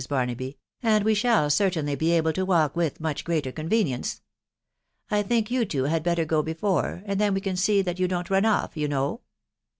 Barnaby, " and we shall certainly be able to walk with much greater convenience. I think you two had better go before, and then we can see that you don't run off, you know."